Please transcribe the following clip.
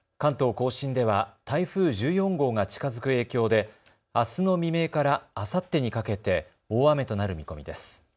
甲信では台風１４号が近づく影響であすの未明からあさってにかけて大雨となる見込みです。